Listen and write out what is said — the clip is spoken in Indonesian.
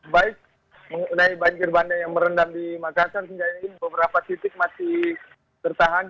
baik mengenai banjir bandang yang merendam di makassar ini beberapa titik masih tertahan